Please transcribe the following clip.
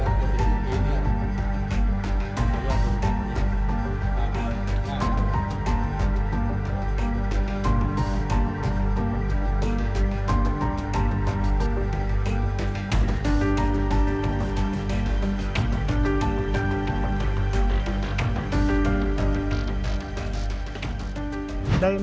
โตกยิง